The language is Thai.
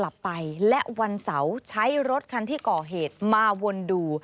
กลับไปและวันเสาร์ใช้รถคันที่ก่อเหตุมาวนดู